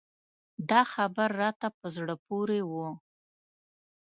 دا خبر راته په زړه پورې و.